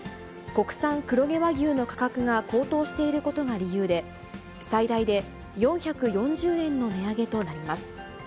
国産黒毛和牛の価格が高騰していることが理由で、最大で４４０円の値上げとなります。